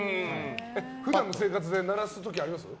普段の生活で鳴らす時あります？